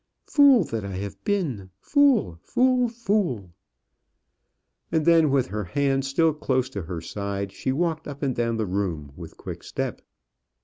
"Fool that I have been fool, fool, fool!" And then, with her hand still close to her side, she walked up and down the room with quick step.